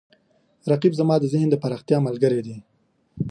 رقیب زما د ذهن د پراختیا ملګری دی